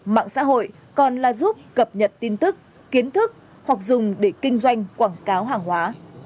mạng xã hội còn là giúp cập nhật tin tức kiến thức hoặc dùng để kinh doanh quảng cáo hàng hóa